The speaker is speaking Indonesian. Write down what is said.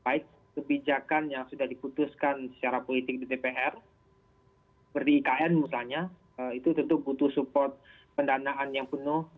baik kebijakan yang sudah diputuskan secara politik di dpr seperti ikn misalnya itu tentu butuh support pendanaan yang penuh